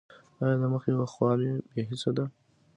ایا د مخ یوه خوا مو بې حسه ده؟